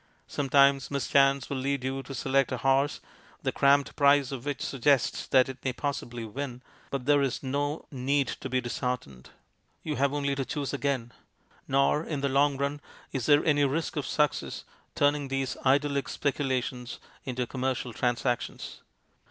Some times mischance will lead you to select a horse, the cramped price of which suggests that it may possibly win, but there is no 212 MONOLOGUES need to be disheartened. You have only to choose again. Nor, in the long run, is there any risk of success turning these idyllic speculations into commercial transactions.